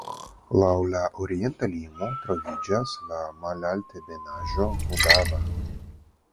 Laŭ la orienta limo troviĝas la malaltebenaĵo Mudava.